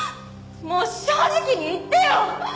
もう正直に言ってよ！